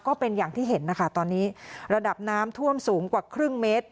ก็เป็นอย่างที่เห็นนะคะตอนนี้ระดับน้ำท่วมสูงกว่าครึ่งเมตร